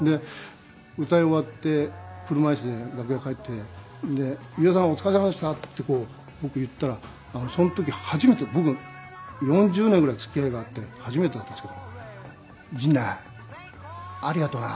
歌い終わって車椅子で楽屋帰って「裕也さんお疲れさまでした」って僕言ったらその時初めて僕４０年ぐらい付き合いがあって初めてだったんですけど「陣内ありがとな！」